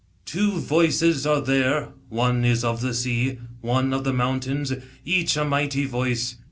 " Two voices are there : one is of the sea, One of the mountains ; each a mighty voice.